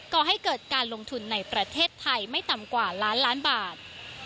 ก่อให้เกิดการลงทุนในประเทศไทยไม่ต่ำกว่าล้านล้านบาท